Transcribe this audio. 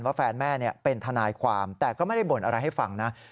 แฟนแม่เป็นทนายความแต่ก็ไม่ได้บ่นอะไรให้ฟังนะ